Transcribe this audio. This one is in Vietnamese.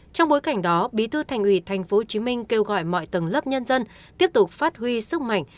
trong bối cảnh đó bí thư thành ủy tp hcm kêu gọi mọi tầng lớp nhân dân tiếp tục phát huy sức mạnh